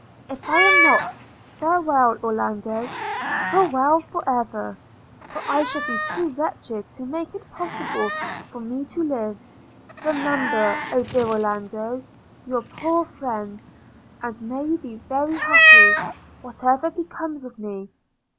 If I am not, farewell, Orlando – farewell for ever; for I shall be too wretched to make it possible for me to live. Remember, dear Orlando, your poor friend; and may you be very happy, whatever becomes of me!